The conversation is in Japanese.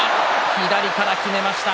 左からきめました。